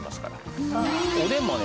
おでんもね